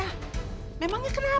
walaupun dewi statusnya gak sama sama kita